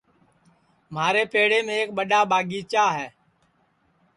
مھارے پیڑیم ایک ٻڈؔا ٻاگیچا ہے